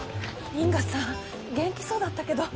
因果さん元気そうだったけど。